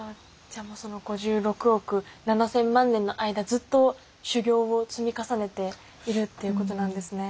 じゃあもうその５６億７，０００万年の間ずっと修行を積み重ねているっていうことなんですね。